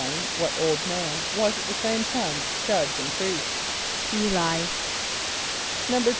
= What old man was at the same time judge and priest? =[=E]´l[=i].